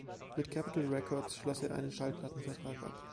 Mit Capitol Records schloss er einen Schallplattenvertrag ab.